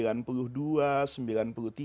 itu hampir setiap tahun